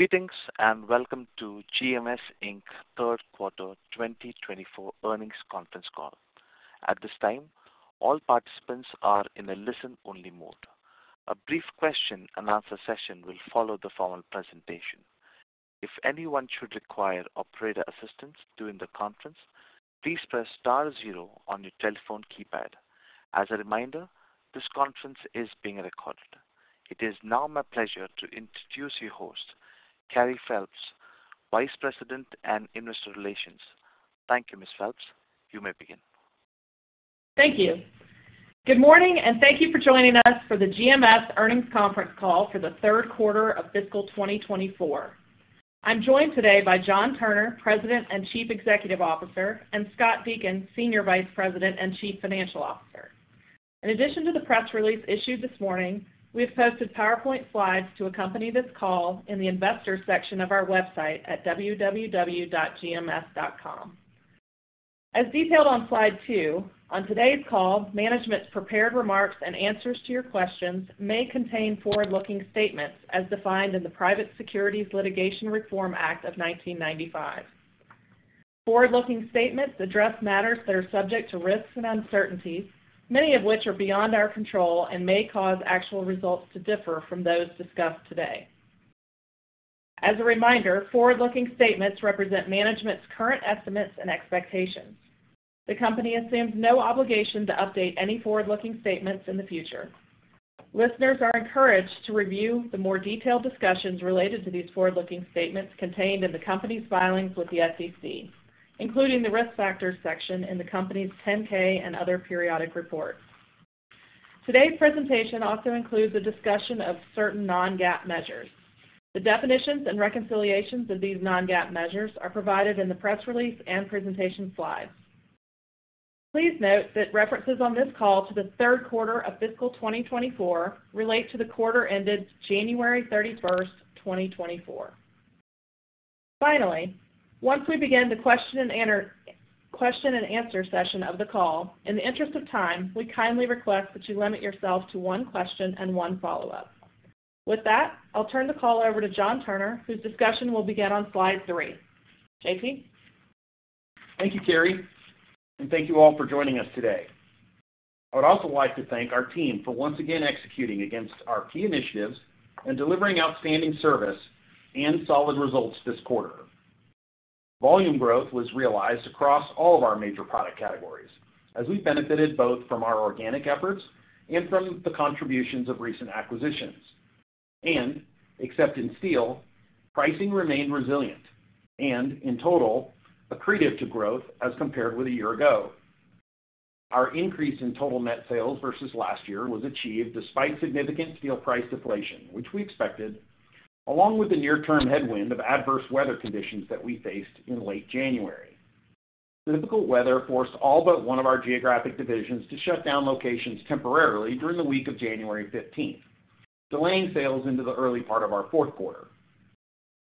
Greetings, and welcome to GMS Inc Third Quarter 2024 Earnings Conference Call. At this time, all participants are in a listen-only mode. A brief question-and-answer session will follow the formal presentation. If anyone should require operator assistance during the conference, please press star zero on your telephone keypad. As a reminder, this conference is being recorded. It is now my pleasure to introduce your host, Carey Phelps, Vice President, Investor Relations. Thank you, Ms. Phelps. You may begin. Thank you. Good morning, and thank you for joining us for the GMS Earnings Conference Call for the Third Quarter of Fiscal 2024. I'm joined today by John Turner, President and Chief Executive Officer, and Scott Deakin, Senior Vice President and Chief Financial Officer. In addition to the press release issued this morning, we have posted PowerPoint slide to accompany this call in the Investors section of our website at www.gms.com. As detailed on Slide 2, on today's call, management's prepared remarks and answers to your questions may contain forward-looking statements as defined in the Private Securities Litigation Reform Act of 1995. Forward-looking statements address matters that are subject to risks and uncertainties, many of which are beyond our control and may cause actual results to differ from those discussed today. As a reminder, forward-looking statements represent management's current estimates and expectations. The company assumes no obligation to update any forward-looking statements in the future. Listeners are encouraged to review the more detailed discussions related to these forward-looking statements contained in the company's filings with the SEC, including the Risk Factors section in the company's 10-K and other periodic reports. Today's presentation also includes a discussion of certain non-GAAP measures. The definitions and reconciliations of these non-GAAP measures are provided in the press release and presentation slides. Please note that references on this call to the third quarter of fiscal 2024 relate to the quarter ended January 31, 2024. Finally, once we begin the question and answer, question-and-answer session of the call, in the interest of time, we kindly request that you limit yourself to one question and one follow-up. With that, I'll turn the call over to John Turner, whose discussion will begin on Slide 3. J.T.? Thank you, Carey, and thank you all for joining us today. I would also like to thank our team for once again executing against our key initiatives and delivering outstanding service and solid results this quarter. Volume growth was realized across all of our major product categories, as we benefited both from our organic efforts and from the contributions of recent acquisitions. Except in steel, pricing remained resilient and, in total, accretive to growth as compared with a year ago. Our increase in total net sales versus last year was achieved despite significant steel price deflation, which we expected, along with the near-term headwind of adverse weather conditions that we faced in late January. Typical weather forced all but one of our geographic divisions to shut down locations temporarily during the week of January 15th, delaying sales into the early part of our fourth quarter.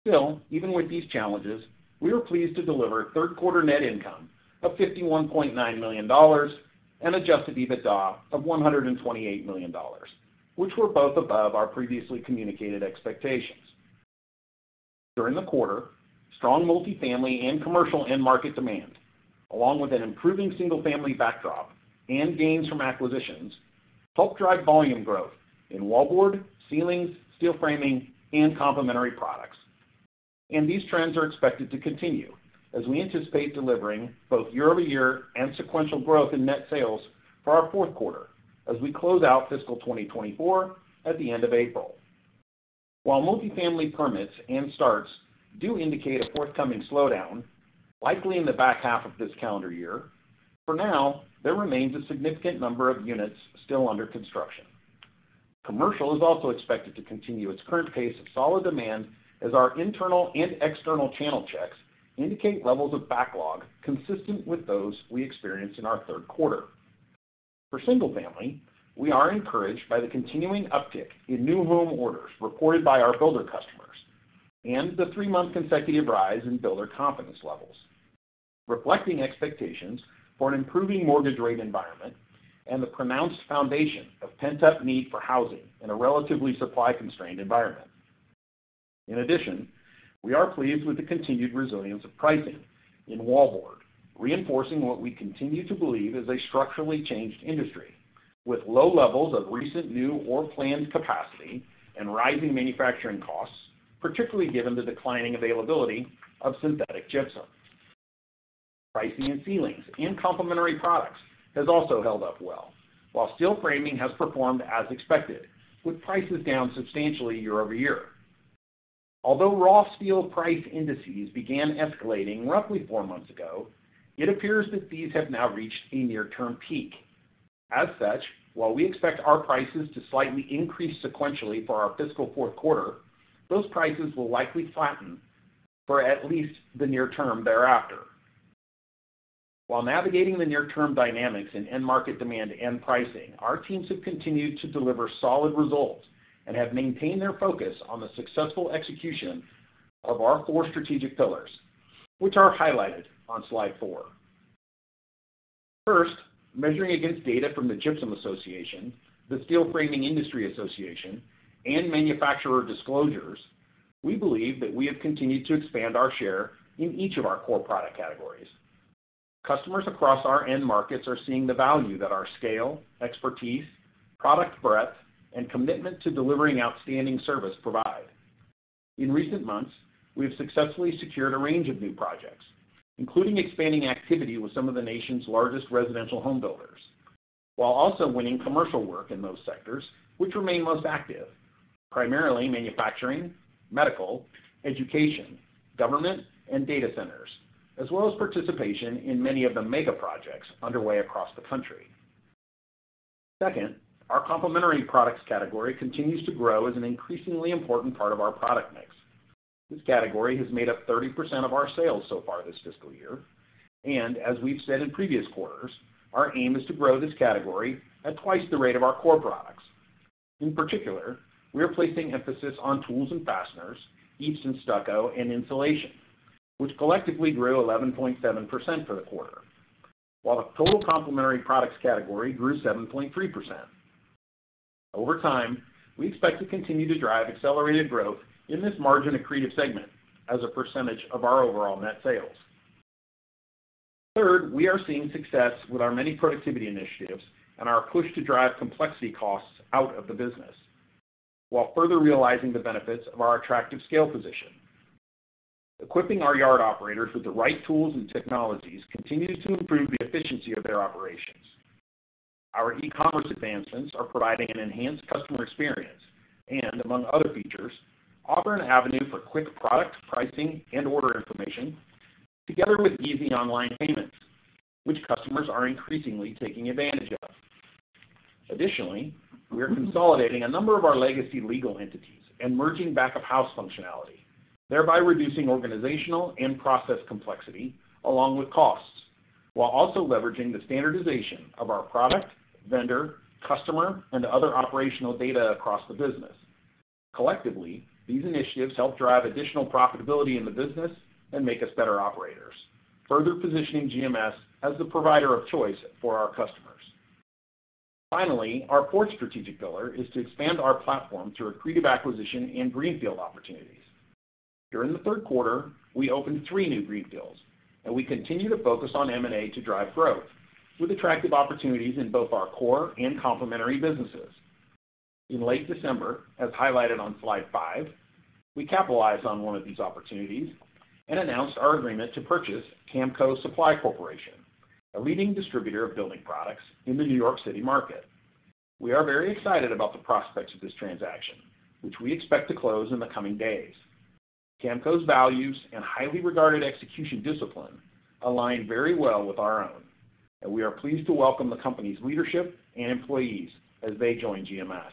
Still, even with these challenges, we were pleased to deliver third quarter net income of $51.9 million and Adjusted EBITDA of $128 million, which were both above our previously communicated expectations. During the quarter, strong multifamily and commercial end market demand, along with an improving single-family backdrop and gains from acquisitions, helped drive volume growth in wallboard, ceilings, steel framing, and complementary products. And these trends are expected to continue as we anticipate delivering both year-over-year and sequential growth in net sales for our fourth quarter as we close out fiscal 2024 at the end of April. While multifamily permits and starts do indicate a forthcoming slowdown, likely in the back half of this calendar year, for now, there remains a significant number of units still under construction. Commercial is also expected to continue its current pace of solid demand, as our internal and external channel checks indicate levels of backlog consistent with those we experienced in our third quarter. For single family, we are encouraged by the continuing uptick in new home orders reported by our builder customers and the three-month consecutive rise in builder confidence levels, reflecting expectations for an improving mortgage rate environment and the pronounced foundation of pent-up need for housing in a relatively supply-constrained environment. In addition, we are pleased with the continued resilience of pricing in wallboard, reinforcing what we continue to believe is a structurally changed industry, with low levels of recent, new or planned capacity and rising manufacturing costs, particularly given the declining availability of synthetic gypsum. Pricing in ceilings and complementary products has also held up well, while steel framing has performed as expected, with prices down substantially year-over-year. Although raw steel price indices began escalating roughly four months ago, it appears that these have now reached a near-term peak. As such, while we expect our prices to slightly increase sequentially for our fiscal fourth quarter, those prices will likely flatten for at least the near term thereafter. While navigating the near-term dynamics in end market demand and pricing, our teams have continued to deliver solid results and have maintained their focus on the successful execution of our four strategic pillars, which are highlighted on Slide 4.... First, measuring against data from the Gypsum Association, the Steel Framing Industry Association, and manufacturer disclosures, we believe that we have continued to expand our share in each of our core product categories. Customers across our end markets are seeing the value that our scale, expertise, product breadth, and commitment to delivering outstanding service provide. In recent months, we have successfully secured a range of new projects, including expanding activity with some of the nation's largest residential home builders, while also winning commercial work in those sectors which remain most active, primarily manufacturing, medical, education, government, and data centers, as well as participation in many of the mega projects underway across the country. Second, our complementary products category continues to grow as an increasingly important part of our product mix. This category has made up 30% of our sales so far this fiscal year, and as we've said in previous quarters, our aim is to grow this category at twice the rate of our core products. In particular, we are placing emphasis on tools and fasteners, EIFS and stucco, and insulation, which collectively grew 11.7% for the quarter, while the total complementary products category grew 7.3%. Over time, we expect to continue to drive accelerated growth in this margin-accretive segment as a percentage of our overall net sales. Third, we are seeing success with our many productivity initiatives and our push to drive complexity costs out of the business, while further realizing the benefits of our attractive scale position. Equipping our yard operators with the right tools and technologies continues to improve the efficiency of their operations. Our e-commerce advancements are providing an enhanced customer experience, and among other features, offer an avenue for quick product, pricing, and order information, together with easy online payments, which customers are increasingly taking advantage of. Additionally, we are consolidating a number of our legacy legal entities and merging back-of-house functionality, thereby reducing organizational and process complexity along with costs, while also leveraging the standardization of our product, vendor, customer, and other operational data across the business. Collectively, these initiatives help drive additional profitability in the business and make us better operators, further positioning GMS as the provider of choice for our customers. Finally, our fourth strategic pillar is to expand our platform through accretive acquisition and greenfield opportunities. During the third quarter, we opened three new greenfields, and we continue to focus on M&A to drive growth, with attractive opportunities in both our core and complementary businesses. In late December, as highlighted on Slide 5, we capitalized on one of these opportunities and announced our agreement to purchase Kamco Supply Corporation, a leading distributor of building products in the New York City market. We are very excited about the prospects of this transaction, which we expect to close in the coming days. Kamco's values and highly regarded execution discipline align very well with our own, and we are pleased to welcome the company's leadership and employees as they join GMS.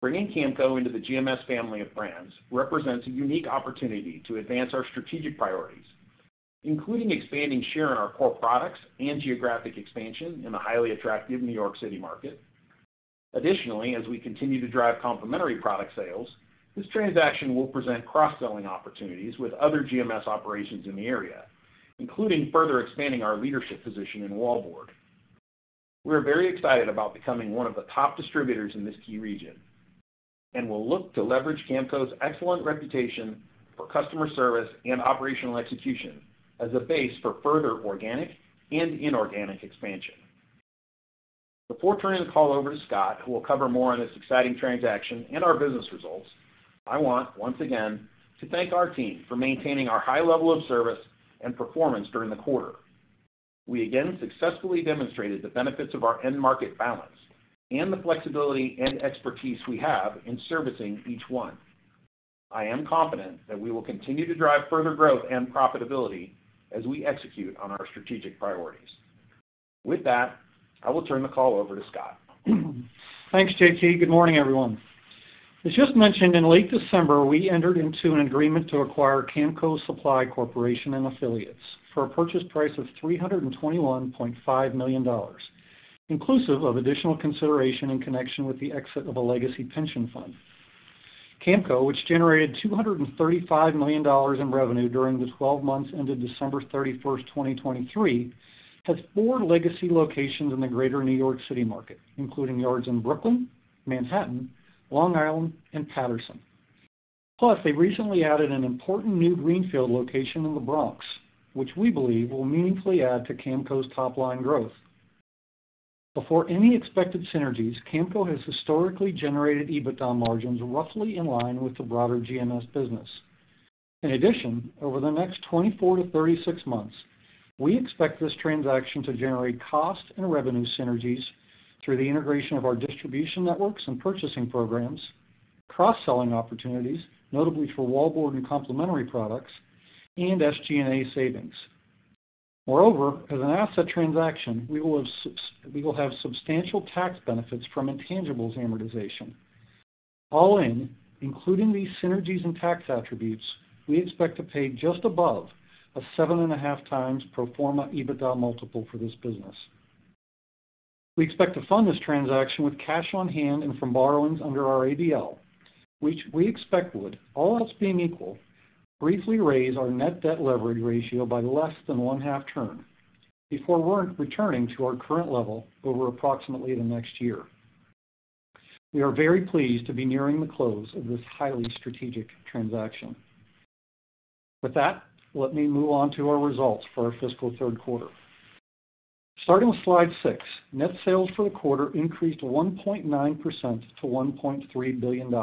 Bringing Kamco into the GMS family of brands represents a unique opportunity to advance our strategic priorities, including expanding share in our core products and geographic expansion in the highly attractive New York City market. Additionally, as we continue to drive complementary product sales, this transaction will present cross-selling opportunities with other GMS operations in the area, including further expanding our leadership position in wallboard. We are very excited about becoming one of the top distributors in this key region, and we'll look to leverage Kamco's excellent reputation for customer service and operational execution as a base for further organic and inorganic expansion. Before turning the call over to Scott, who will cover more on this exciting transaction and our business results, I want, once again, to thank our team for maintaining our high level of service and performance during the quarter. We again successfully demonstrated the benefits of our end market balance and the flexibility and expertise we have in servicing each one. I am confident that we will continue to drive further growth and profitability as we execute on our strategic priorities. With that, I will turn the call over to Scott. Thanks, J.T.. Good morning, everyone. As just mentioned, in late December, we entered into an agreement to acquire Kamco Supply Corporation and affiliates for a purchase price of $321.5 million, inclusive of additional consideration in connection with the exit of a legacy pension fund. Kamco, which generated $235 million in revenue during the twelve months ended December 31, 2023, has four legacy locations in the greater New York City market, including yards in Brooklyn, Manhattan, Long Island, and Paterson. Plus, they recently added an important new greenfield location in the Bronx, which we believe will meaningfully add to Kamco's top-line growth. Before any expected synergies, Kamco has historically generated EBITDA margins roughly in line with the broader GMS business. In addition, over the next 24-36 months, we expect this transaction to generate cost and revenue synergies through the integration of our distribution networks and purchasing programs, cross-selling opportunities, notably for wallboard and complementary products, and SG&A savings. Moreover, as an asset transaction, we will have substantial tax benefits from intangibles amortization. All in, including these synergies and tax attributes, we expect to pay just above a 7.5x pro forma EBITDA multiple for this business. We expect to fund this transaction with cash on hand and from borrowings under our ABL, which we expect would, all else being equal, briefly raise our net debt leverage ratio by less than 0.5 turn before returning to our current level over approximately the next year. We are very pleased to be nearing the close of this highly strategic transaction. With that, let me move on to our results for our fiscal third quarter. Starting with Slide 6, net sales for the quarter increased 1.9% to $1.3 billion,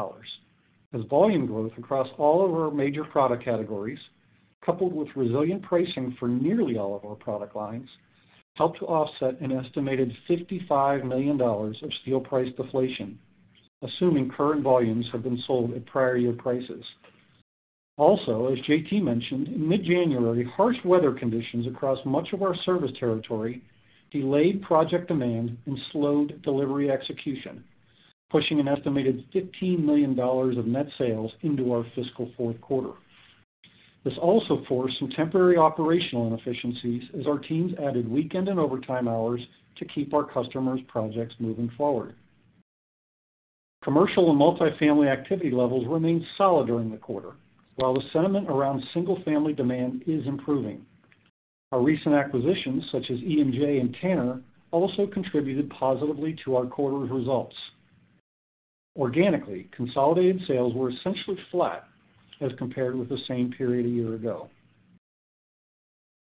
as volume growth across all of our major product categories, coupled with resilient pricing for nearly all of our product lines, helped to offset an estimated $55 million of steel price deflation, assuming current volumes have been sold at prior year prices. Also, as J.T. mentioned, in mid-January, harsh weather conditions across much of our service territory delayed project demand and slowed delivery execution, pushing an estimated $15 million of net sales into our fiscal fourth quarter. This also forced some temporary operational inefficiencies as our teams added weekend and overtime hours to keep our customers' projects moving forward. Commercial and multifamily activity levels remained solid during the quarter, while the sentiment around single-family demand is improving. Our recent acquisitions, such as E&J and Tanner, also contributed positively to our quarter results. Organically, consolidated sales were essentially flat as compared with the same period a year ago.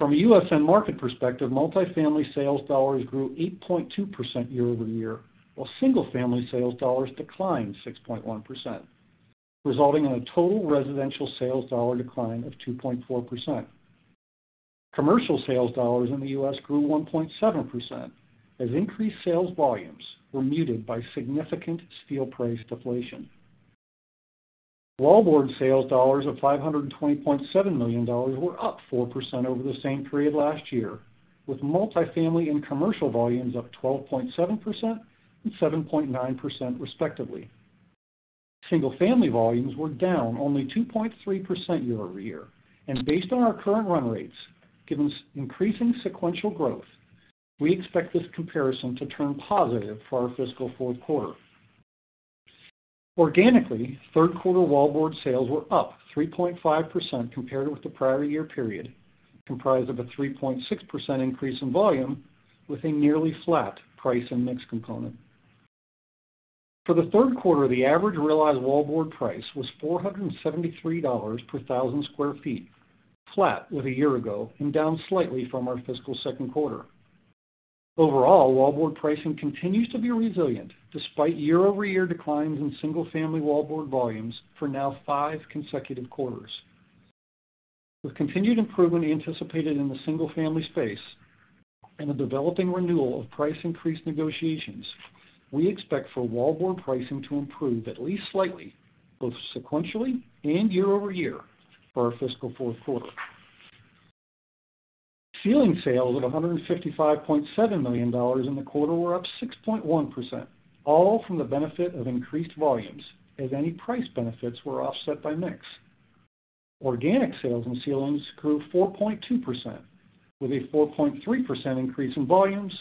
From a U.S. end market perspective, multifamily sales dollars grew 8.2% year-over-year, while single-family sales dollars declined 6.1%, resulting in a total residential sales dollar decline of 2.4%. Commercial sales dollars in the U.S. grew 1.7%, as increased sales volumes were muted by significant steel price deflation. Wallboard sales dollars of $520.7 million were up 4% over the same period last year, with multifamily and commercial volumes up 12.7% and 7.9%, respectively. Single-family volumes were down only 2.3% year-over-year, and based on our current run rates, given increasing sequential growth, we expect this comparison to turn positive for our fiscal fourth quarter. Organically, third quarter wallboard sales were up 3.5% compared with the prior year period, comprised of a 3.6% increase in volume, with a nearly flat price and mix component. For the third quarter, the average realized wallboard price was $473 per thousand square feet, flat with a year ago and down slightly from our fiscal second quarter. Overall, wallboard pricing continues to be resilient, despite year-over-year declines in single-family wallboard volumes for now five consecutive quarters. With continued improvement anticipated in the single-family space and a developing renewal of price increase negotiations, we expect for wallboard pricing to improve at least slightly, both sequentially and year-over-year for our fiscal fourth quarter. Ceiling sales of $155.7 million in the quarter were up 6.1%, all from the benefit of increased volumes, as any price benefits were offset by mix. Organic sales in ceilings grew 4.2%, with a 4.3% increase in volumes,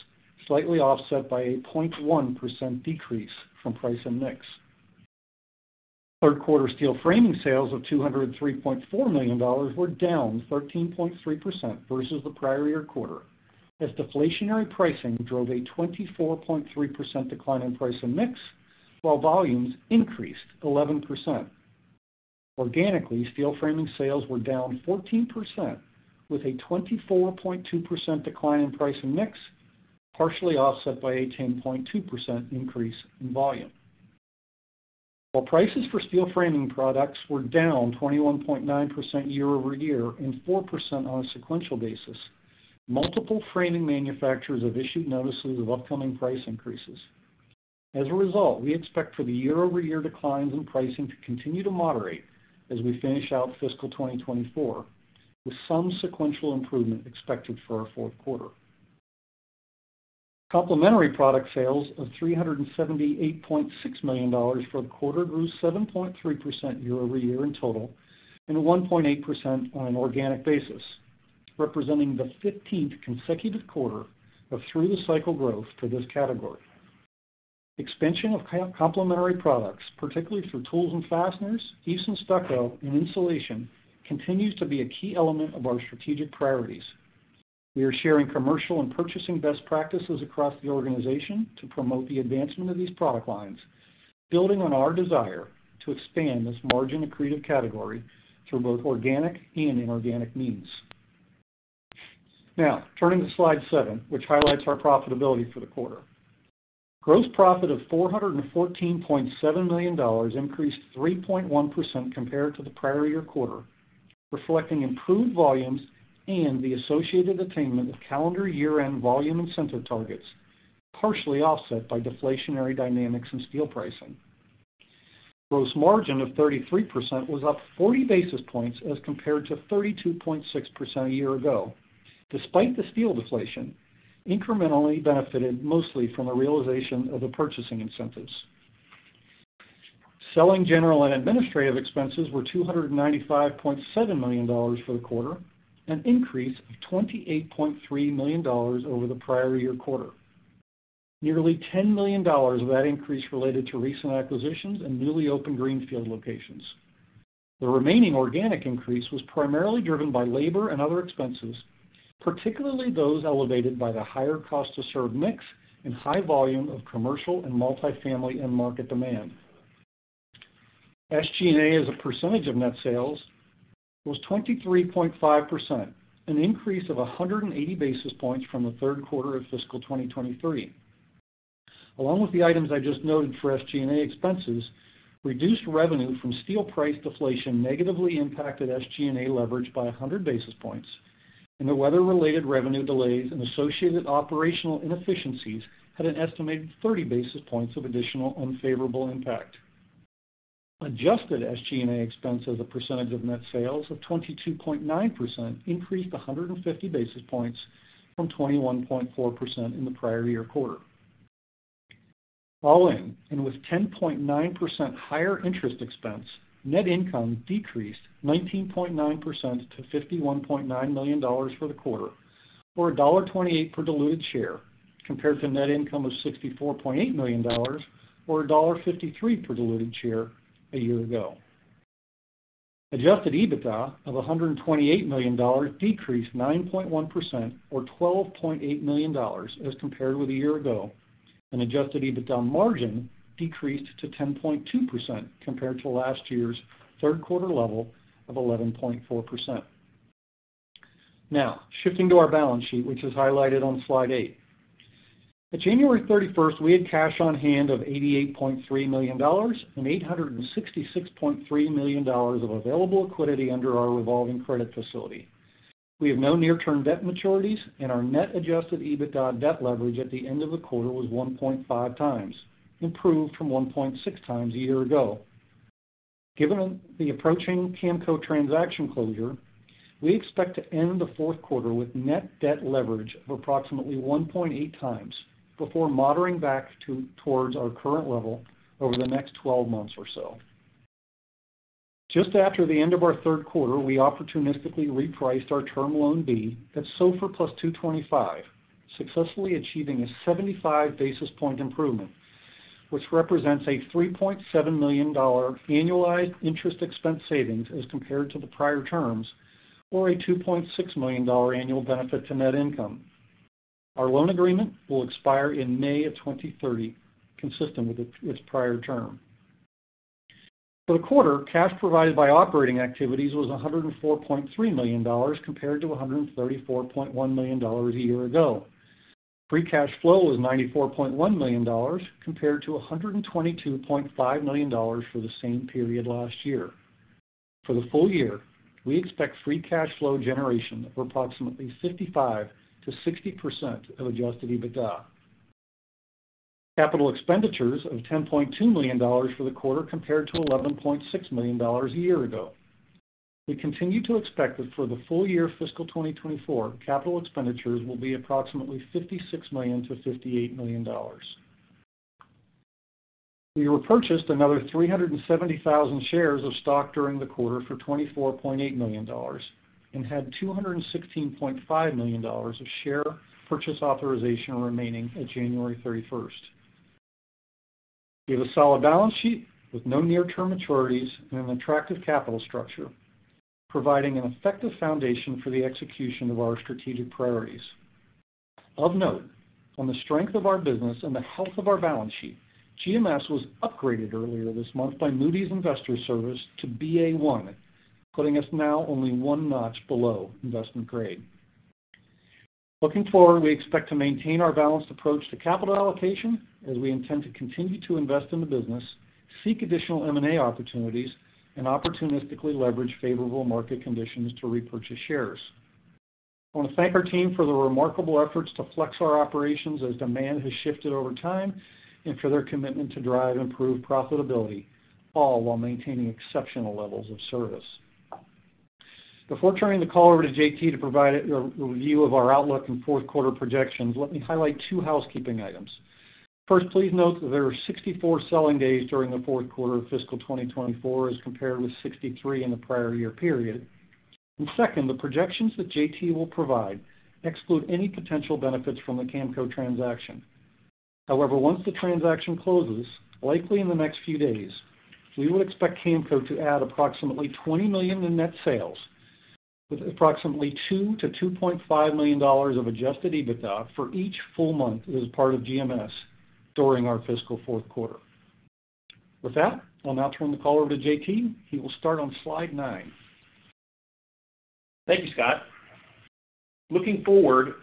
slightly offset by a 0.1% decrease from price and mix. Third quarter steel framing sales of $203.4 million were down 13.3% versus the prior year quarter, as deflationary pricing drove a 24.3% decline in price and mix, while volumes increased 11%. Organically, steel framing sales were down 14%, with a 24.2% decline in price and mix, partially offset by 18.2% increase in volume. While prices for steel framing products were down 21.9% year-over-year and 4% on a sequential basis, multiple framing manufacturers have issued notices of upcoming price increases. As a result, we expect for the year-over-year declines in pricing to continue to moderate as we finish out fiscal 2024, with some sequential improvement expected for our fourth quarter. Complementary product sales of $378.6 million for the quarter grew 7.3% year-over-year in total, and 1.8% on an organic basis, representing the 15th consecutive quarter of through-the-cycle growth for this category. Expansion of complementary products, particularly through tools and fasteners, eaves and stucco, and insulation, continues to be a key element of our strategic priorities. We are sharing commercial and purchasing best practices across the organization to promote the advancement of these product lines, building on our desire to expand this margin-accretive category through both organic and inorganic means. Now, turning to Slide 7, which highlights our profitability for the quarter. Gross profit of $414.7 million increased 3.1% compared to the prior year quarter, reflecting improved volumes and the associated attainment of calendar year-end volume incentive targets, partially offset by deflationary dynamics in steel pricing. Gross margin of 33% was up 40 basis points as compared to 32.6% a year ago. Despite the steel deflation, incrementally benefited mostly from a realization of the purchasing incentives.... Selling general and administrative expenses were $295.7 million for the quarter, an increase of $28.3 million over the prior year quarter. Nearly $10 million of that increase related to recent acquisitions and newly opened greenfield locations. The remaining organic increase was primarily driven by labor and other expenses, particularly those elevated by the higher cost to serve mix and high volume of commercial and multifamily end market demand. SG&A, as a percentage of net sales, was 23.5%, an increase of 180 basis points from the third quarter of fiscal 2023. Along with the items I just noted for SG&A expenses, reduced revenue from steel price deflation negatively impacted SG&A leverage by 100 basis points, and the weather-related revenue delays and associated operational inefficiencies had an estimated 30 basis points of additional unfavorable impact. Adjusted SG&A expense as a percentage of net sales of 22.9% increased 150 basis points from 21.4% in the prior year quarter. All in, and with 10.9% higher interest expense, net income decreased 19.9% to $51.9 million for the quarter, or $1.28 per diluted share, compared to net income of $64.8 million, or $1.53 per diluted share a year ago. Adjusted EBITDA of $128 million decreased 9.1% or $12.8 million as compared with a year ago, and adjusted EBITDA margin decreased to 10.2% compared to last year's third quarter level of 11.4%. Now, shifting to our balance sheet, which is highlighted on Slide 8. At January thirty-first, we had cash on hand of $88.3 million and $866.3 million of available liquidity under our revolving credit facility. We have no near-term debt maturities, and our net adjusted EBITDA debt leverage at the end of the quarter was 1.5 times, improved from 1.6 times a year ago. Given the approaching Kamco transaction closure, we expect to end the fourth quarter with net debt leverage of approximately 1.8 times before moderating back towards our current level over the next 12 months or so. Just after the end of our third quarter, we opportunistically repriced our Term Loan B at SOFR plus 225, successfully achieving a 75 basis point improvement, which represents a $3.7 million annualized interest expense savings as compared to the prior terms or a $2.6 million annual benefit to net income. Our loan agreement will expire in May of 2030, consistent with its prior term. For the quarter, cash provided by operating activities was $104.3 million, compared to $134.1 million a year ago. Free cash flow was $94.1 million, compared to $122.5 million for the same period last year. For the full year, we expect free cash flow generation of approximately 55%-60% of Adjusted EBITDA. Capital expenditures of $10.2 million for the quarter, compared to $11.6 million a year ago. We continue to expect that for the full year fiscal 2024, capital expenditures will be approximately $56 million-$58 million. We repurchased another 370,000 shares of stock during the quarter for $24.8 million and had $216.5 million of share purchase authorization remaining at January 31. We have a solid balance sheet with no near-term maturities and an attractive capital structure, providing an effective foundation for the execution of our strategic priorities. Of note, on the strength of our business and the health of our balance sheet, GMS was upgraded earlier this month by Moody's Investors Service to Ba1, putting us now only one notch below investment grade. Looking forward, we expect to maintain our balanced approach to capital allocation as we intend to continue to invest in the business, seek additional M&A opportunities, and opportunistically leverage favorable market conditions to repurchase shares. I want to thank our team for the remarkable efforts to flex our operations as demand has shifted over time and for their commitment to drive improved profitability, all while maintaining exceptional levels of service. Before turning the call over to J.T. to provide a review of our outlook and fourth quarter projections, let me highlight two housekeeping items. First, please note that there are 64 selling days during the fourth quarter of fiscal 2024, as compared with 63 in the prior year period. Second, the projections that J.T. will provide exclude any potential benefits from the Kamco transaction. However, once the transaction closes, likely in the next few days, we would expect Kamco to add approximately $20 million in net sales, with approximately $2 million-$2.5 million of adjusted EBITDA for each full month as part of GMS during our fiscal fourth quarter. With that, I'll now turn the call over to J.T.. He will start on Slide 9. Thank you, Scott. Looking forward,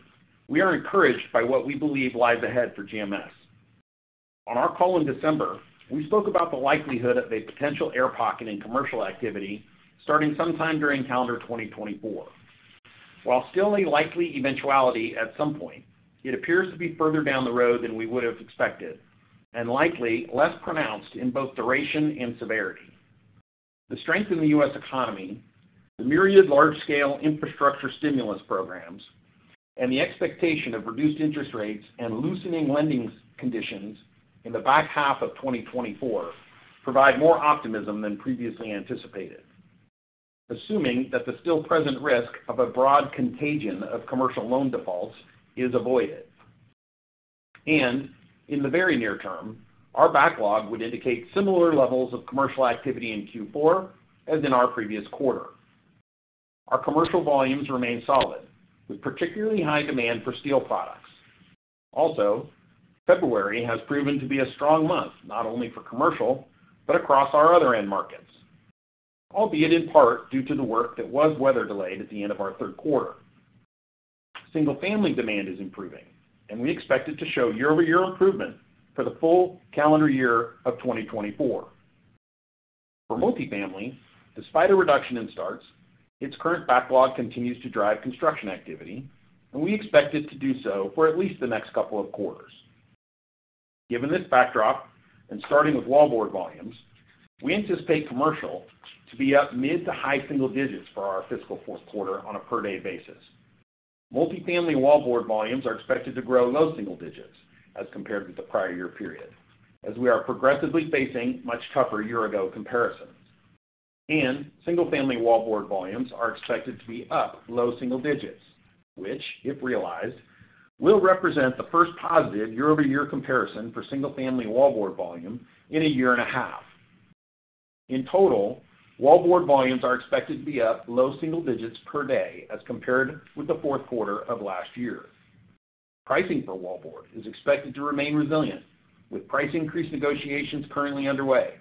we are encouraged by what we believe lies ahead for GMS. On our call in December, we spoke about the likelihood of a potential air pocket in commercial activity starting sometime during calendar 2024. While still a likely eventuality at some point, it appears to be further down the road than we would have expected and likely less pronounced in both duration and severity.... The strength in the U.S. economy, the myriad large-scale infrastructure stimulus programs, and the expectation of reduced interest rates and loosening lending conditions in the back half of 2024 provide more optimism than previously anticipated, assuming that the still present risk of a broad contagion of commercial loan defaults is avoided. In the very near term, our backlog would indicate similar levels of commercial activity in Q4 as in our previous quarter. Our commercial volumes remain solid, with particularly high demand for steel products. Also, February has proven to be a strong month, not only for commercial, but across our other end markets, albeit in part due to the work that was weather delayed at the end of our third quarter. Single-family demand is improving, and we expect it to show year-over-year improvement for the full calendar year of 2024. For multifamily, despite a reduction in starts, its current backlog continues to drive construction activity, and we expect it to do so for at least the next couple of quarters. Given this backdrop, and starting with wallboard volumes, we anticipate commercial to be up mid- to high-single-digits for our fiscal fourth quarter on a per day basis. Multifamily wallboard volumes are expected to grow low single digits as compared with the prior year period, as we are progressively facing much tougher year-ago comparisons. Single-family wallboard volumes are expected to be up low single digits, which, if realized, will represent the first positive year-over-year comparison for single-family wallboard volume in a year and a half. In total, wallboard volumes are expected to be up low single digits per day as compared with the fourth quarter of last year. Pricing for wallboard is expected to remain resilient, with price increase negotiations currently underway.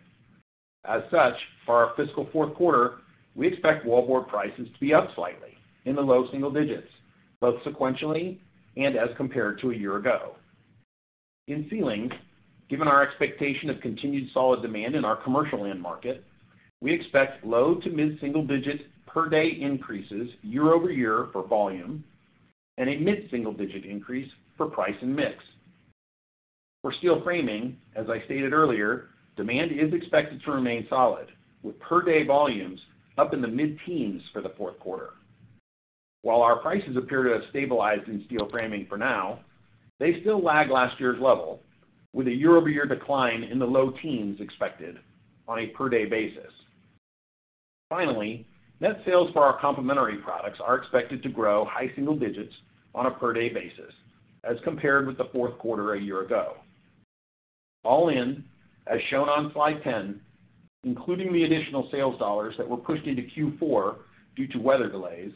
As such, for our fiscal fourth quarter, we expect wallboard prices to be up slightly in the low single digits, both sequentially and as compared to a year ago. In ceilings, given our expectation of continued solid demand in our commercial end market, we expect low- to mid-single-digits per-day increases year-over-year for volume and a mid-single-digit increase for price and mix. For steel framing, as I stated earlier, demand is expected to remain solid, with per-day volumes up in the mid-teens for the fourth quarter. While our prices appear to have stabilized in steel framing for now, they still lag last year's level, with a year-over-year decline in the low-teens expected on a per-day basis. Finally, net sales for our complementary products are expected to grow high-single-digits on a per-day basis as compared with the fourth quarter a year ago. All in, as shown on Slide 10, including the additional sales dollars that were pushed into Q4 due to weather delays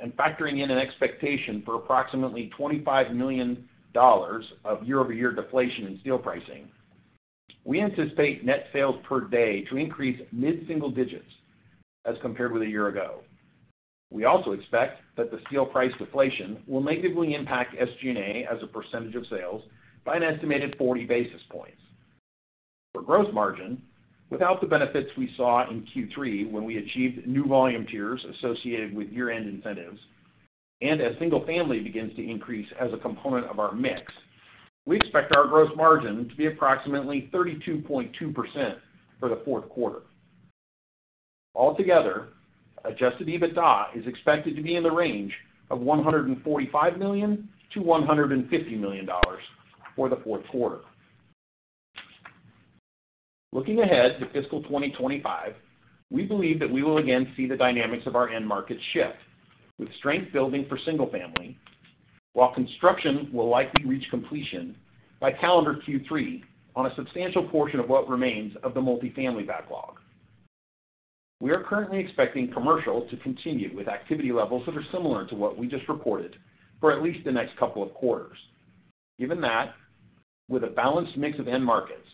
and factoring in an expectation for approximately $25 million of year-over-year deflation in steel pricing, we anticipate net sales per day to increase mid-single digits as compared with a year ago. We also expect that the steel price deflation will negatively impact SG&A as a percentage of sales by an estimated 40 basis points. For gross margin, without the benefits we saw in Q3 when we achieved new volume tiers associated with year-end incentives, and as single family begins to increase as a component of our mix, we expect our gross margin to be approximately 32.2% for the fourth quarter. Altogether, Adjusted EBITDA is expected to be in the range of $145 million-$150 million for the fourth quarter. Looking ahead to fiscal 2025, we believe that we will again see the dynamics of our end markets shift, with strength building for single family, while construction will likely reach completion by calendar Q3 on a substantial portion of what remains of the multifamily backlog. We are currently expecting commercial to continue with activity levels that are similar to what we just reported for at least the next couple of quarters. Given that, with a balanced mix of end markets,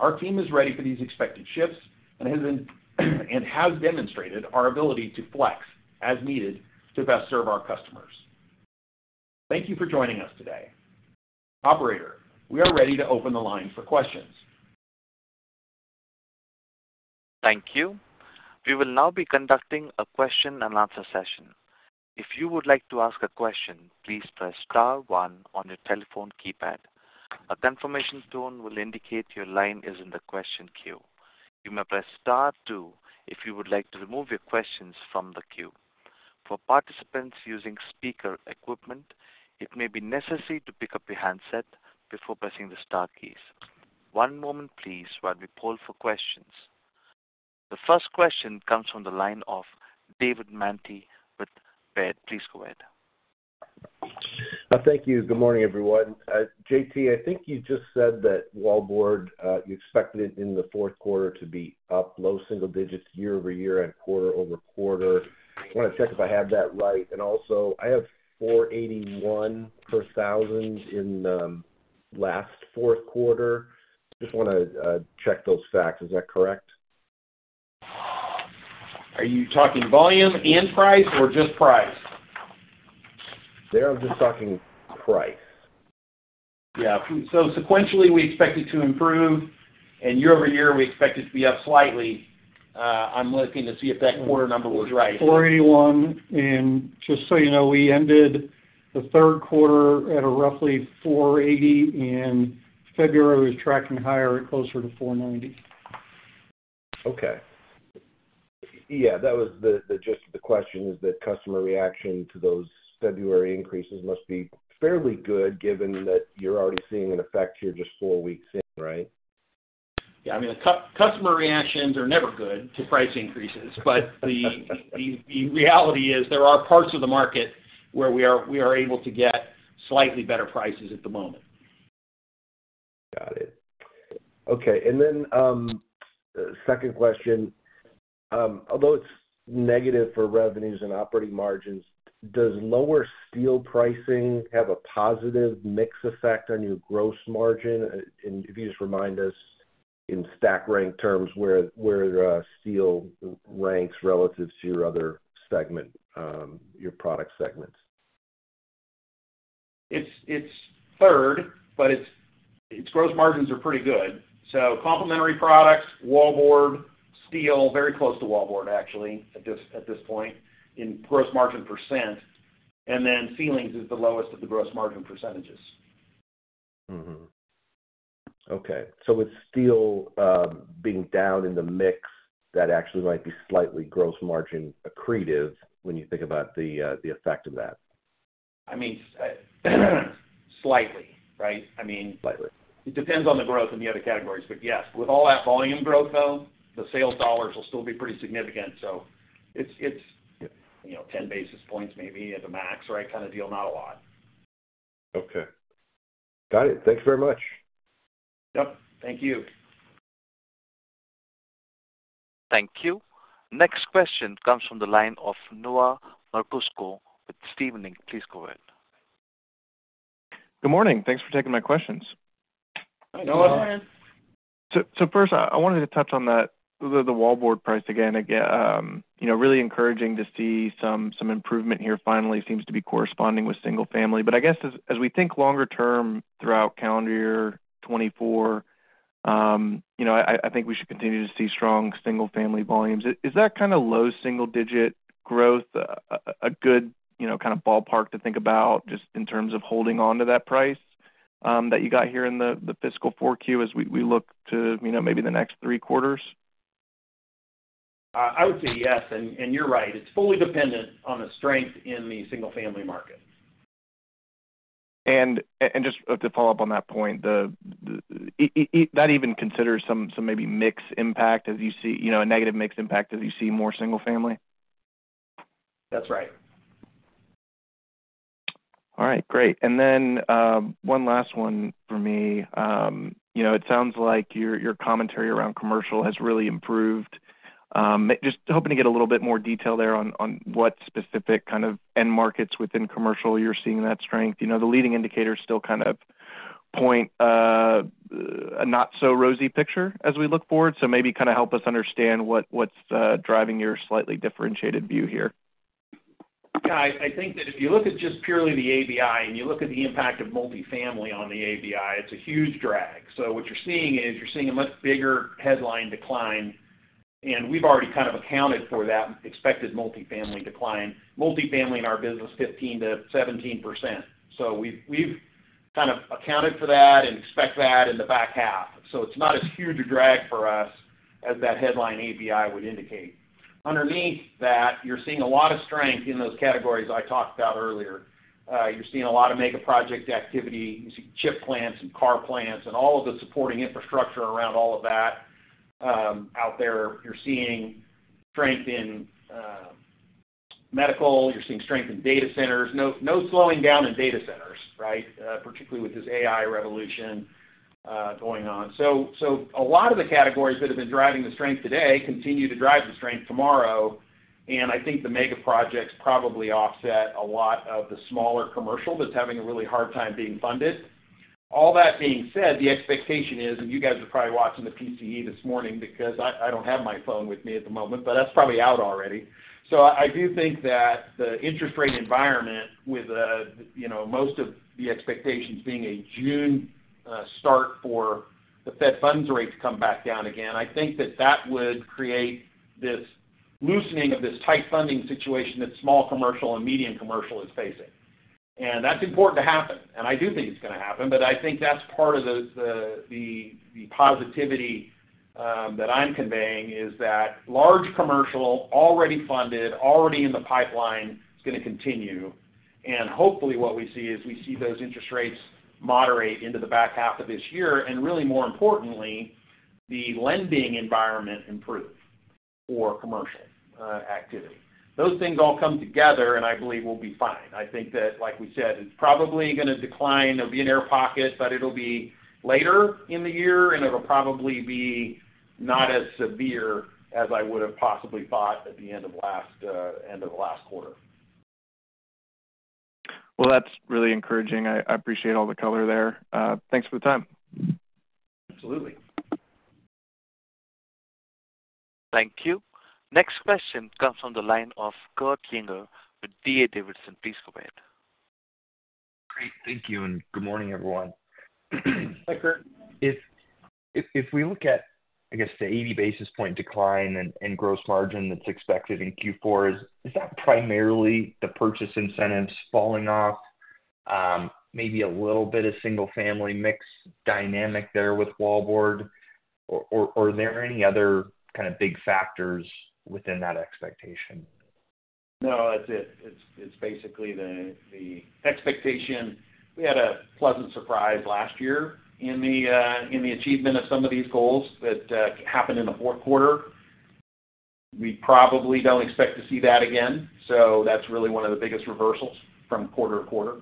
our team is ready for these expected shifts and has been and has demonstrated our ability to flex as needed to best serve our customers. Thank you for joining us today. Operator, we are ready to open the line for questions. Thank you. We will now be conducting a question and answer session. If you would like to ask a question, please press star one on your telephone keypad. A confirmation tone will indicate your line is in the question queue. You may press star two if you would like to remove your questions from the queue. For participants using speaker equipment, it may be necessary to pick up your handset before pressing the star keys. One moment please while we poll for questions. The first question comes from the line of David Manthey with Baird. Please go ahead. Thank you. Good morning, everyone. J.T., I think you just said that wallboard, you expected it in the fourth quarter to be up low single digits year-over-year and quarter-over-quarter. I want to check if I have that right. And also I have $481 per thousand in last fourth quarter. Just want to check those facts. Is that correct? Are you talking volume and price or just price? Dave, I'm just talking price. Yeah. So sequentially, we expect it to improve, and year over year, we expect it to be up slightly. I'm looking to see if that quarter number was right. $481, and just so you know, we ended...... the third quarter at a roughly $480, and February is tracking higher at closer to $490. Okay. Yeah, that was the gist of the question, is that customer reaction to those February increases must be fairly good, given that you're already seeing an effect here just four weeks in, right? Yeah, I mean, customer reactions are never good to price increases, but the reality is there are parts of the market where we are able to get slightly better prices at the moment. Got it. Okay, and then, second question. Although it's negative for revenues and operating margins, does lower steel pricing have a positive mix effect on your gross margin? And if you just remind us in stack rank terms, where, where, steel ranks relative to your other segment, your product segments. It's third, but its gross margins are pretty good. So complementary products, wallboard, steel, very close to wallboard actually, at this point in gross margin %, and then ceilings is the lowest of the gross margin percentages. Mm-hmm. Okay, so with steel being down in the mix, that actually might be slightly gross margin accretive when you think about the effect of that. I mean, slightly, right? I mean- Slightly. It depends on the growth in the other categories, but yes, with all that volume growth, though, the sales dollars will still be pretty significant. So it's, it's, you know, 10 basis points maybe at the max, the right kind of deal, not a lot. Okay. Got it. Thank you very much. Yep, thank you. Thank you. Next question comes from the line of Noah Merkousko with Stephens Inc. Please go ahead. Good morning. Thanks for taking my questions. Hi, Noah. So first, I wanted to touch on that, the wallboard price again. Again, you know, really encouraging to see some improvement here finally, seems to be corresponding with single family. But I guess as we think longer term throughout calendar year 2024, you know, I think we should continue to see strong single family volumes. Is that kind of low single digit growth a good, you know, kind of ballpark to think about, just in terms of holding on to that price that you got here in the fiscal 4Q as we look to, you know, maybe the next three quarters? I would say yes, and, and you're right. It's fully dependent on the strength in the single family market. And just to follow up on that point, that even considers some maybe mix impact as you see, you know, a negative mix impact as you see more single family? That's right. All right, great. And then, one last one for me. You know, it sounds like your, your commentary around commercial has really improved. Just hoping to get a little bit more detail there on, on what specific kind of end markets within commercial you're seeing that strength. You know, the leading indicators still kind of point, a not so rosy picture as we look forward. So maybe kind of help us understand what, what's, driving your slightly differentiated view here. Yeah, I think that if you look at just purely the ABI, and you look at the impact of multifamily on the ABI, it's a huge drag. So what you're seeing is, you're seeing a much bigger headline decline, and we've already kind of accounted for that expected multifamily decline. Multifamily in our business, 15%-17%. So we've kind of accounted for that and expect that in the back half. So it's not as huge a drag for us as that headline ABI would indicate. Underneath that, you're seeing a lot of strength in those categories I talked about earlier. You're seeing a lot of mega project activity. You're seeing chip plants and car plants and all of the supporting infrastructure around all of that out there. You're seeing strength in medical, you're seeing strength in data centers. No, no slowing down in data centers, right? Particularly with this AI revolution going on. So, so a lot of the categories that have been driving the strength today continue to drive the strength tomorrow, and I think the mega projects probably offset a lot of the smaller commercial that's having a really hard time being funded. All that being said, the expectation is, and you guys are probably watching the PCE this morning because I don't have my phone with me at the moment, but that's probably out already. So I do think that the interest rate environment with you know, most of the expectations being a June start for the Fed funds rate to come back down again, I think that that would create this loosening of this tight funding situation that small commercial and medium commercial is facing. And that's important to happen, and I do think it's gonna happen, but I think that's part of the positivity that I'm conveying, is that large commercial, already funded, already in the pipeline, is gonna continue. And hopefully, what we see is we see those interest rates moderate into the back half of this year, and really, more importantly, the lending environment improve for commercial activity. Those things all come together, and I believe we'll be fine. I think that, like we said, it's probably gonna decline. There'll be an air pocket, but it'll be later in the year, and it'll probably be not as severe as I would have possibly thought at the end of last quarter. Well, that's really encouraging. I appreciate all the color there. Thanks for the time. Absolutely. Thank you. Next question comes from the line of Kurt Yinger with D.A. Davidson. Please go ahead.... Great. Thank you, and good morning, everyone. So Kurt, if we look at, I guess, the 80 basis point decline in gross margin that's expected in Q4, is that primarily the purchase incentives falling off? Maybe a little bit of single-family mix dynamic there with Wallboard, or are there any other kind of big factors within that expectation? No, that's it. It's basically the expectation. We had a pleasant surprise last year in the achievement of some of these goals that happened in the fourth quarter. We probably don't expect to see that again, so that's really one of the biggest reversals from quarter-to-quarter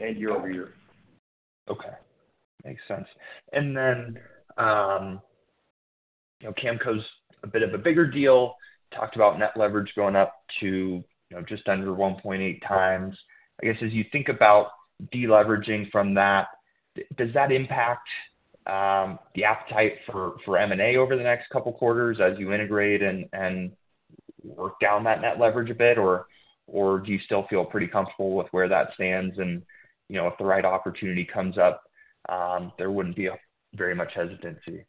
and year-over-year. Okay. Makes sense. And then, you know, Kamco's a bit of a bigger deal. Talked about net leverage going up to, you know, just under 1.8 times. I guess, as you think about de-leveraging from that, does that impact the appetite for M&A over the next couple quarters as you integrate and work down that net leverage a bit, or do you still feel pretty comfortable with where that stands? And, you know, if the right opportunity comes up, there wouldn't be a very much hesitancy.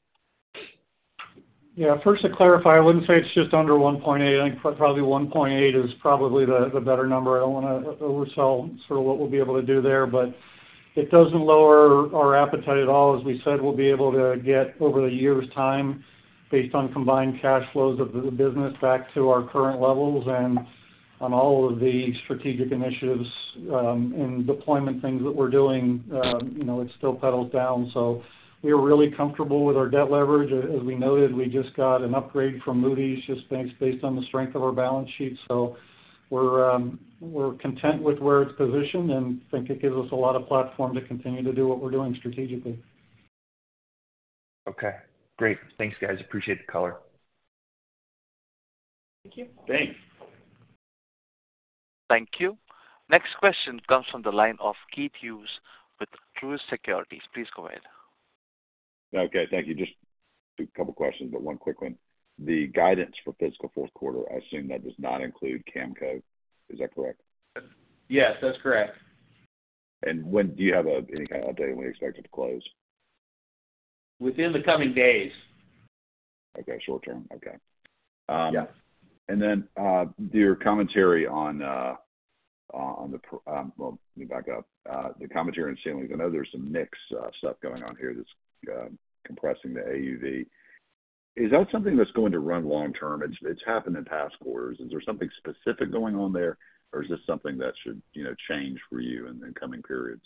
Yeah, first to clarify, I wouldn't say it's just under 1.8. I think probably 1.8 is probably the better number. I don't want to oversell sort of what we'll be able to do there, but it doesn't lower our appetite at all. As we said, we'll be able to get over a year's time based on combined cash flows of the business back to our current levels. And on all of the strategic initiatives and deployment things that we're doing, you know, it still boils down. So we're really comfortable with our debt leverage. As we noted, we just got an upgrade from Moody's, just thanks, based on the strength of our balance sheet. So we're content with where it's positioned and think it gives us a lot of platform to continue to do what we're doing strategically. Okay, great. Thanks, guys. Appreciate the color. Thank you. Thanks. Thank you. Next question comes from the line of Keith Hughes with Truist Securities. Please go ahead. Okay, thank you. Just a couple questions, but one quick one. The guidance for fiscal fourth quarter, I assume that does not include Kamco. Is that correct? Yes, that's correct. When do you have any kind of update on when you expect it to close? Within the coming days. Okay, short term. Okay. Um, yeah. Then, your commentary on, well, let me back up. The commentary on ceilings. I know there's some mix, stuff going on here that's compressing the AUV. Is that something that's going to run long term? It's happened in past quarters. Is there something specific going on there, or is this something that should, you know, change for you in the coming periods?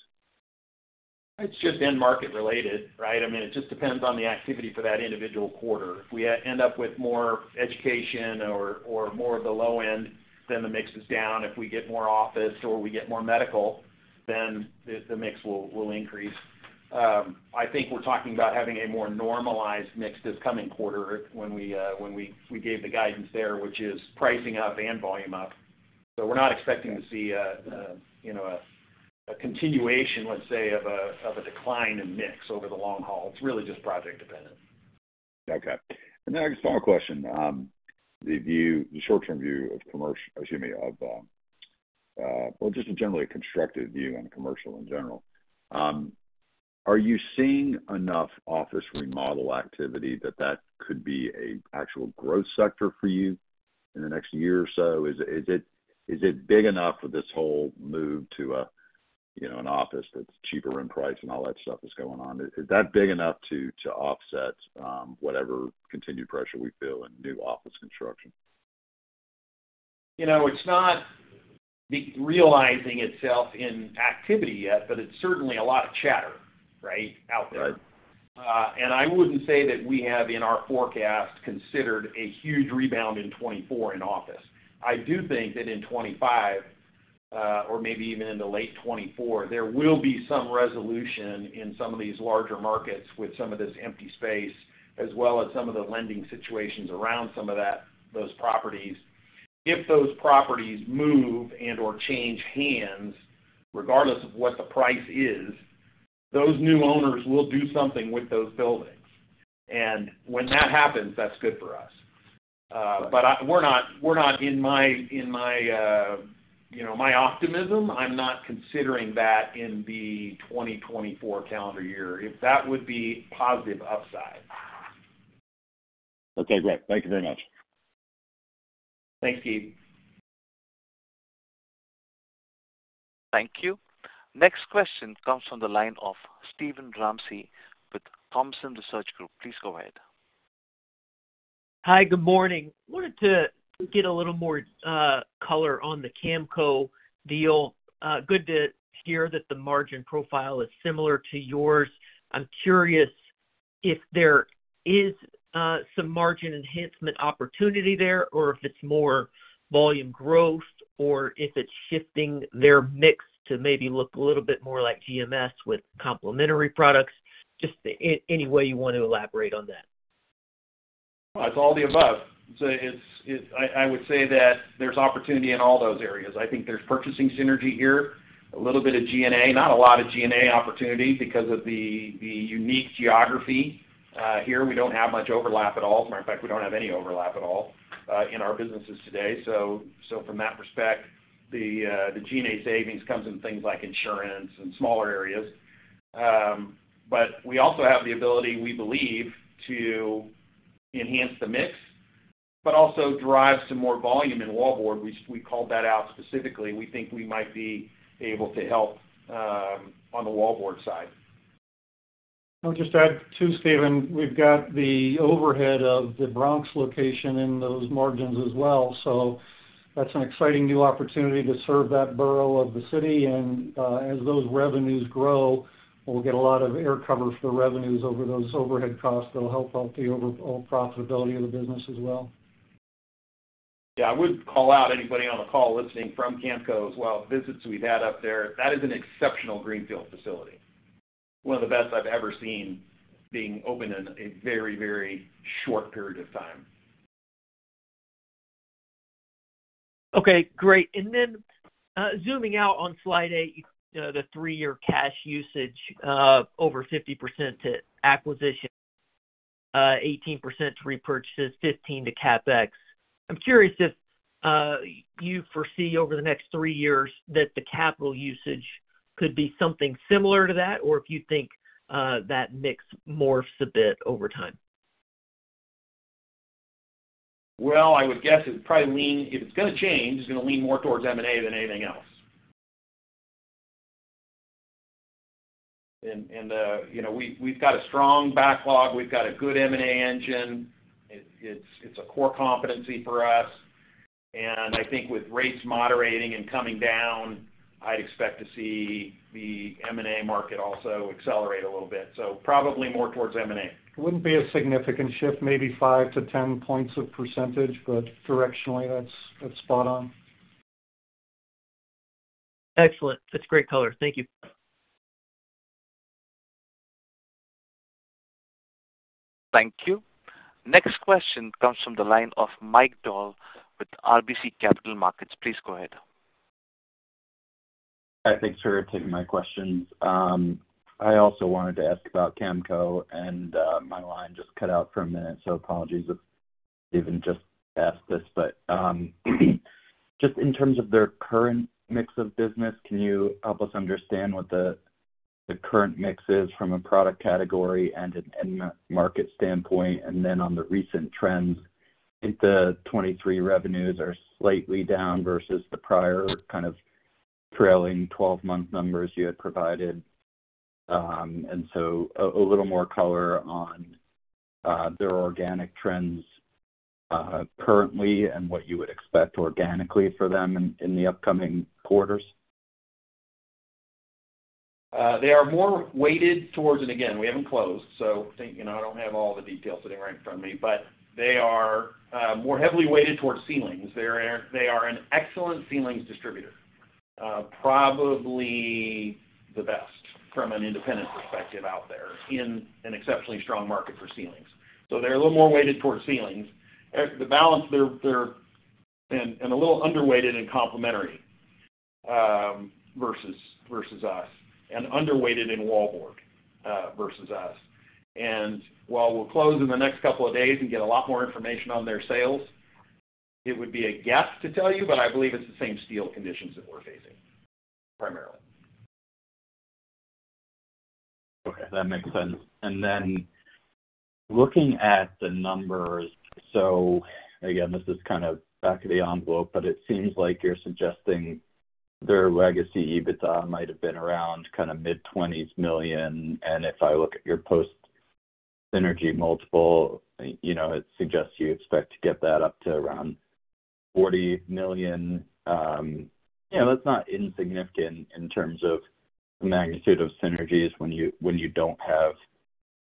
It's just end market related, right? I mean, it just depends on the activity for that individual quarter. If we end up with more education or more of the low end, then the mix is down. If we get more office or we get more medical, then the mix will increase. I think we're talking about having a more normalized mix this coming quarter when we gave the guidance there, which is pricing up and volume up. So we're not expecting to see a continuation, let's say, of a decline in mix over the long haul. It's really just project dependent. Okay. And then I just one more question: the short-term view of commercial. Excuse me, of, well, just a generally constructed view on commercial in general. Are you seeing enough office remodel activity that that could be an actual growth sector for you in the next year or so? Is it big enough for this whole move to a, you know, an office that's cheaper in price and all that stuff that's going on? Is that big enough to offset whatever continued pressure we feel in new office construction? You know, it's not the realizing itself in activity yet, but it's certainly a lot of chatter, right, out there. Right. And I wouldn't say that we have, in our forecast, considered a huge rebound in 2024 in office. I do think that in 2025, or maybe even in the late 2024, there will be some resolution in some of these larger markets with some of this empty space, as well as some of the lending situations around some of that, those properties. If those properties move and/or change hands, regardless of what the price is, those new owners will do something with those buildings. And when that happens, that's good for us. But we're not, we're not in my, you know, my optimism, I'm not considering that in the 2024 calendar year, if that would be positive upside. Okay, great. Thank you very much. Thanks, Keith. Thank you. Next question comes from the line of Steven Ramsey with Thompson Research Group. Please go ahead. Hi, good morning. Wanted to get a little more color on the Kamco deal. Good to hear that the margin profile is similar to yours. I'm curious if there is some margin enhancement opportunity there, or if it's more volume growth, or if it's shifting their mix to maybe look a little bit more like GMS with complementary products? Just any way you want to elaborate on that. It's all the above. So it's, I would say that there's opportunity in all those areas. I think there's purchasing synergy here, a little bit of G&A, not a lot of G&A opportunity because of the unique geography. Here, we don't have much overlap at all. Matter of fact, we don't have any overlap at all, in our businesses today. So from that respect, the G&A savings comes in things like insurance and smaller areas. But we also have the ability, we believe, to enhance the mix, but also drive some more volume in wallboard. We, we called that out specifically. We think we might be able to help, on the wallboard side. I'll just add, too, Stephen, we've got the overhead of the Bronx location in those margins as well. So that's an exciting new opportunity to serve that borough of the city, and as those revenues grow, we'll get a lot of air cover for the revenues over those overhead costs that'll help out the overall profitability of the business as well. Yeah, I would call out anybody on the call listening from Kamco as well, visits we've had up there, that is an exceptional greenfield facility, one of the best I've ever seen being opened in a very, very short period of time. Okay, great. And then, zooming out on Slide 8, you know, the three-year cash usage, over 50% to acquisition, 18% to repurchases, 15 to CapEx. I'm curious if you foresee over the next three years that the capital usage could be something similar to that, or if you think that mix morphs a bit over time? Well, I would guess it would probably lean, if it's gonna change, it's gonna lean more towards M&A than anything else. And, you know, we've got a strong backlog. We've got a good M&A engine. It's a core competency for us, and I think with rates moderating and coming down, I'd expect to see the M&A market also accelerate a little bit. So probably more towards M&A. It wouldn't be a significant shift, maybe 5-10 percentage points, but directionally, that's, that's spot on. Excellent. That's great color. Thank you. Thank you. Next question comes from the line of Mike Dahl with RBC Capital Markets. Please go ahead. Hi, thanks for taking my questions. I also wanted to ask about Kamco, and my line just cut out for a minute, so apologies if Stephen just asked this. But just in terms of their current mix of business, can you help us understand what the current mix is from a product category and an end market standpoint? And then on the recent trends, I think the 2023 revenues are slightly down versus the prior kind of trailing twelve-month numbers you had provided. And so a little more color on their organic trends currently, and what you would expect organically for them in the upcoming quarters. They are more weighted towards, and again, we haven't closed, so, you know, I don't have all the details sitting right in front of me. But they are more heavily weighted towards ceilings. They are an excellent ceilings distributor, probably the best from an independent perspective out there in an exceptionally strong market for ceilings. So they're a little more weighted towards ceilings. The balance, they're a little underweight and complementary versus us, and underweight in wallboard versus us. And while we'll close in the next couple of days and get a lot more information on their sales, it would be a guess to tell you, but I believe it's the same steel conditions that we're facing, primarily. Okay, that makes sense. And then looking at the numbers, so again, this is kind of back of the envelope, but it seems like you're suggesting their legacy EBITDA might have been around kind of mid-$20s million. And if I look at your post-synergy multiple, you know, it suggests you expect to get that up to around $40 million. You know, that's not insignificant in terms of the magnitude of synergies when you don't have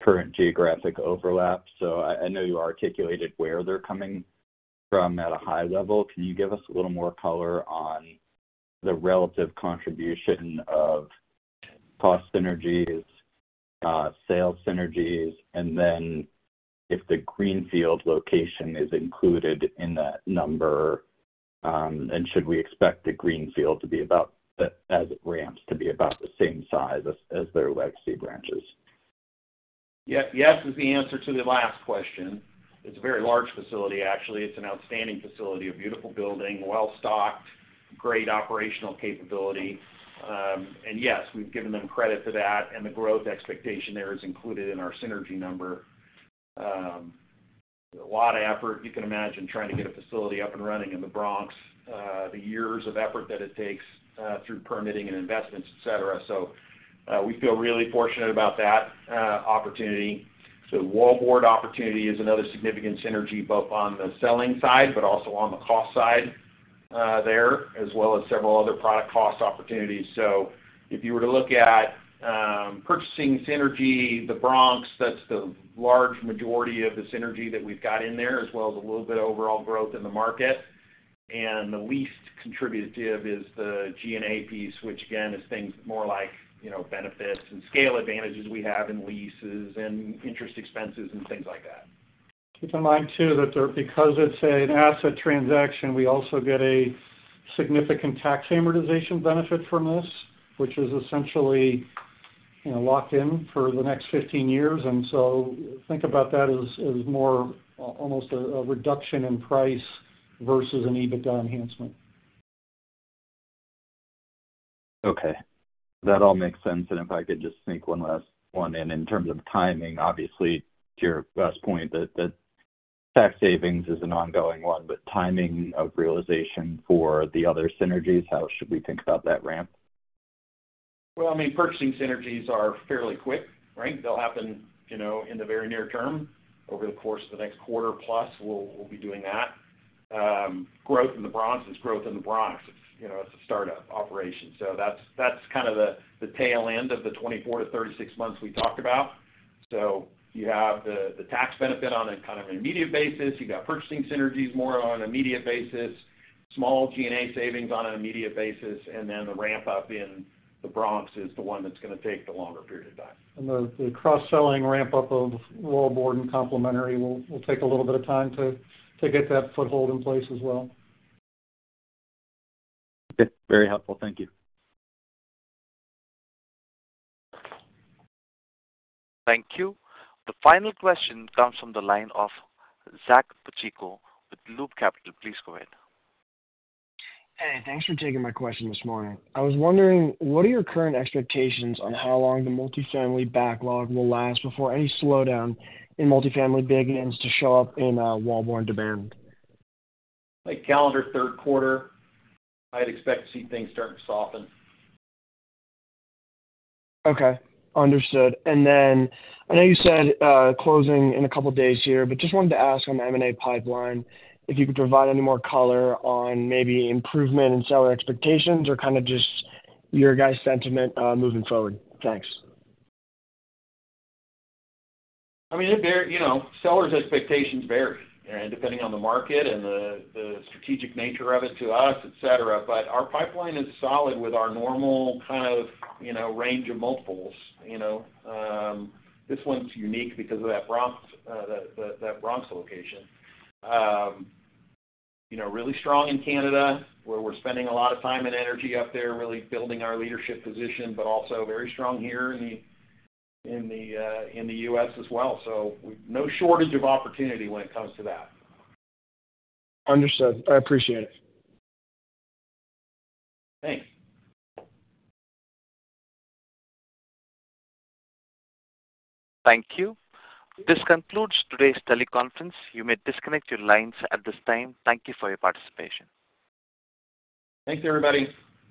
current geographic overlap. So I know you articulated where they're coming from at a high level. Can you give us a little more color on the relative contribution of cost synergies, sales synergies, and then if the Greenfield location is included in that number? And should we expect the Greenfield to be about, as it ramps, to be about the same size as their legacy branches? Yes, yes, is the answer to the last question. It's a very large facility, actually. It's an outstanding facility, a beautiful building, well-stocked, great operational capability. And yes, we've given them credit for that, and the growth expectation there is included in our synergy number. A lot of effort. You can imagine trying to get a facility up and running in the Bronx, the years of effort that it takes, through permitting and investments, et cetera. So, we feel really fortunate about that opportunity. So wallboard opportunity is another significant synergy, both on the selling side, but also on the cost side, there, as well as several other product cost opportunities. So if you were to look at purchasing synergy, the Bronx, that's the large majority of the synergy that we've got in there, as well as a little bit of overall growth in the market. The least contributive is the G&A piece, which again, is things more like, you know, benefits and scale advantages we have in leases and interest expenses and things like that. Keep in mind, too, that there, because it's an asset transaction, we also get a significant tax amortization benefit from this, which is essentially... you know, locked in for the next 15 years, and so think about that as, as more, almost a, a reduction in price versus an EBITDA enhancement. Okay, that all makes sense. If I could just sneak one last one in. In terms of timing, obviously, to your last point, that, that tax savings is an ongoing one, but timing of realization for the other synergies, how should we think about that ramp? Well, I mean, purchasing synergies are fairly quick, right? They'll happen, you know, in the very near term. Over the course of the next quarter, plus, we'll be doing that. Growth in the Bronx is growth in the Bronx, you know, it's a startup operation. So that's kind of the tail end of the 24-36 months we talked about. So you have the tax benefit on a kind of an immediate basis, you got purchasing synergies more on immediate basis, small G&A savings on an immediate basis, and then the ramp-up in the Bronx is the one that's gonna take the longer period of time. And the cross-selling ramp-up of wallboard and complementary will take a little bit of time to get that foothold in place as well. Okay. Very helpful. Thank you. Thank you. The final question comes from the line of Zach Fadem with Loop Capital. Please go ahead. Hey, thanks for taking my question this morning. I was wondering, what are your current expectations on how long the multifamily backlog will last before any slowdown in multifamily begins to show up in wallboard demand? Like, calendar third quarter, I'd expect to see things starting to soften. Okay, understood. And then, I know you said, closing in a couple of days here, but just wanted to ask on the M&A pipeline, if you could provide any more color on maybe improvement in seller expectations or kind of just your guys' sentiment, moving forward. Thanks. I mean, it varies, you know, sellers' expectations vary, and depending on the market and the strategic nature of it to us, et cetera. But our pipeline is solid with our normal kind of, you know, range of multiples, you know. This one's unique because of that Bronx location. You know, really strong in Canada, where we're spending a lot of time and energy up there, really building our leadership position, but also very strong here in the U.S. as well. So no shortage of opportunity when it comes to that. Understood. I appreciate it. Thanks. Thank you. This concludes today's teleconference. You may disconnect your lines at this time. Thank you for your participation. Thanks, everybody.